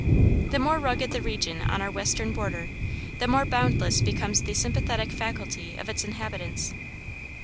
The more rugged the region on our western border, the more boundless becomes the sympathetic faculty of its inhabitants.